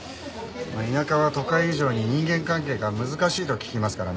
田舎は都会以上に人間関係が難しいと聞きますからね。